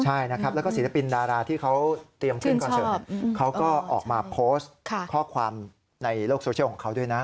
ใช่นะครับแล้วก็ศิลปินดาราที่เขาเตรียมขึ้นคอนเสิร์ตเขาก็ออกมาโพสต์ข้อความในโลกโซเชียลของเขาด้วยนะ